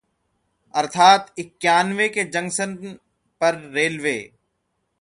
अर्थात्ः इक्यानवे के जंक्शन पर रेलवे